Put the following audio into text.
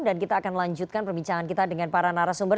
dan kita akan lanjutkan perbincangan kita dengan para narasumber